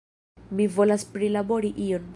Mi volas prilabori ion!